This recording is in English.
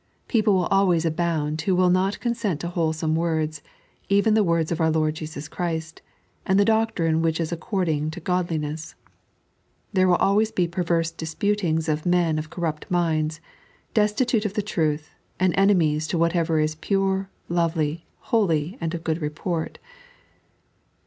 People will always abound who will not consent to wholesome words, even the words of our Lord Jesus Christ, and the doctrine which is according to godli ness. There will always be perverse disputings of men of corrupt minds, destitute of the truth, and enemies to whatever is pure, lovely, holy, and of good report.